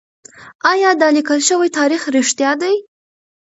ايا دا ليکل شوی تاريخ رښتيا دی؟